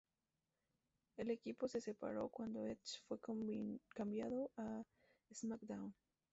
El equipo se separó cuando Edge fue cambiado a Smackdown!.